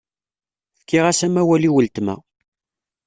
Fkiɣ-as amawal i uletma.